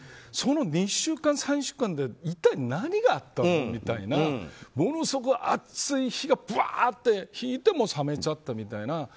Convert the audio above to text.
その２週間３週間で一体何があったのみたいなものすごく熱い火がぶわーっと引いて冷めちゃったみたいな。